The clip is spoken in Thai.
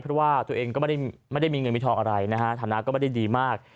เพราะว่าตัวเองก็ไม่ได้มีเงินมีทองอะไรนะฮะฐานะก็ไม่ได้ดีมาก